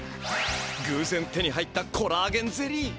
ぐうぜん手に入ったコラーゲンゼリー。